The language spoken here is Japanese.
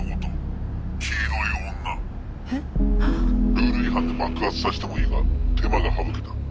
ルール違反で爆発させてもいいが手間が省けた。